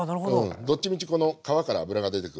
どっちみちこの皮から脂が出てくるんで。